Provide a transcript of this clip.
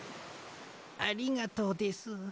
ありがとうです。